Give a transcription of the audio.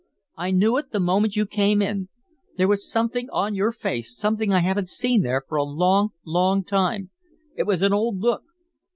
I knew it the moment you came in. There was something on your face, something I haven't seen there for a long, long time. It was an old look."